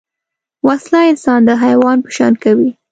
وسله انسان د حیوان په شان کوي